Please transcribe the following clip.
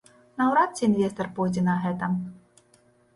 Наўрад ці інвестар пойдзе на гэта.